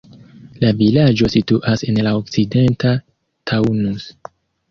La vilaĝo situas en la okcidenta Taunus.